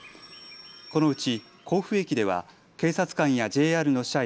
このうち甲府駅では警察官やＪＲの社員